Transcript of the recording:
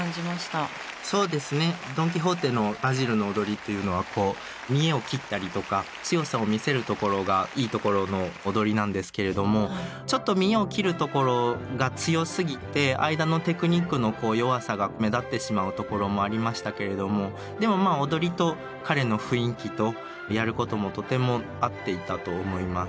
「ドン・キホーテ」のバジルの踊りっていうのはこう見得を切ったりとか強さを見せるところがいいところの踊りなんですけれどもちょっと見得を切るところが強すぎて間のテクニックの弱さが目立ってしまうところもありましたけれどもでもまあ踊りと彼の雰囲気とやることもとても合っていたと思います。